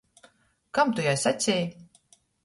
Kam tu jai saceji?